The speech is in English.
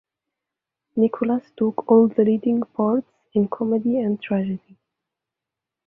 Nicolas took all the leading parts in comedy and tragedy.